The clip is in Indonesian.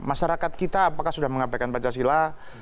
masyarakat kita apakah sudah mengabaikan pancasila